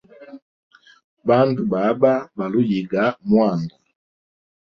Bandu baba, baluhuyiga mwanda.